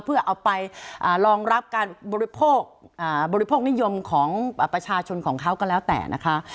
เพื่อเอาไปรองรับการบริโภคบริโภคนิยมของประชาชนของเขาก็แล้วแต่นะคะ